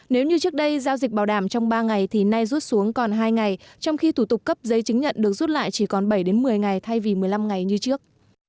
nếu như trước đây giao dịch bảo đảm trong ba ngày thì nay rút xuống còn hai ngày trong khi thủ tục cấp giấy chứng nhận được rút lại chỉ còn bảy một mươi ngày thay vì một mươi năm ngày như trước